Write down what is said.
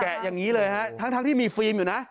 อย่างนี้เลยฮะทั้งที่มีฟิล์มอยู่นะ